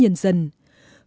hưởng ứng lời kêu gọi